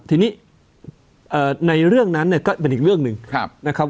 ทีนี้ในเรื่องนั้นเนี่ยก็เป็นอีกเรื่องหนึ่งนะครับ